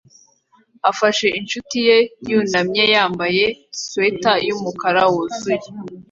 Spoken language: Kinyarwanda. afashe inshuti ye yunamye yambaye swater yumukara wuzuye